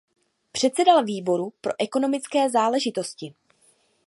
Předsedal výboru pro ekonomické záležitosti.